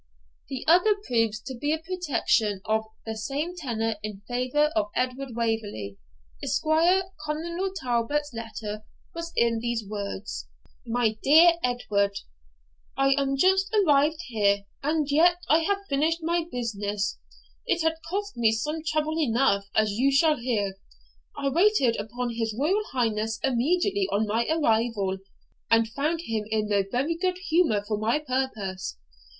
The other proves to be a protection of the same tenor in favour of Edward Waverley, Esq. Colonel Talbot's letter was in these words: 'My DEAR EDWARD, 'I am just arrived here, and yet I have finished my business; it has cost me some trouble though, as you shall hear. I waited upon his Royal Highness immediately on my arrival, and found him in no very good humour for my purpose.